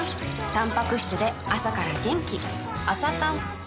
たんぱく質で朝から元気